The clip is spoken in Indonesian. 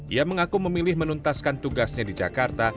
ia mengaku memilih menuntaskan tugasnya di jakarta